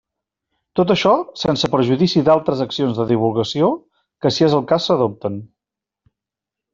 Tot això sense perjudici d'altres accions de divulgació que, si és el cas, s'adopten.